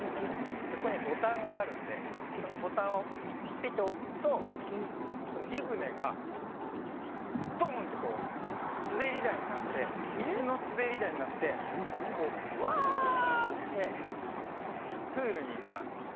でここにはボタンがあるんでそのボタンをピッておすとこのゆぶねがドンってこうすべりだいになってみずのすべりだいになってこう「ワ！」ってプールにいきます。